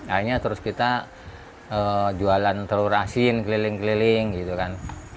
akhirnya terus kita jualan telur asin keliling keliling gitu kan